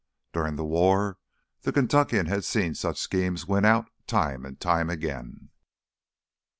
During the war the Kentuckian had seen such schemes win out time and time again.